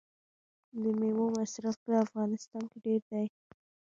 د میوو مصرف په افغانستان کې ډیر دی.